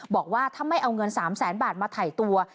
บอกว่าถ้าไม่เอาเงิน๓แสนบาทมาถ่ายตัว